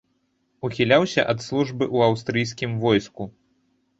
Ухіляўся ад службы ў аўстрыйскім войску.